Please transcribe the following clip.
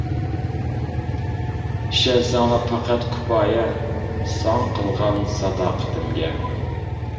ئىشەنسەڭلا پەقەت كۇپايە، ساڭا قىلغان ساداقىتىمگە.